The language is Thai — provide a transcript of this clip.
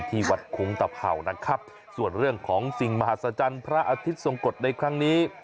ที่วัดคุ้งตะเผานะครับส่วนเรื่องของสิ่งมหัศจรรย์พระอาทิตย์ทรงกฎในครั้งนี้